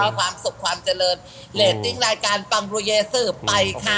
ขอบความสุขความเจริญเร็ดติ้งรายการปังปรุเยซึไปค่ะ